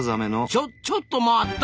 ちょちょっと待った！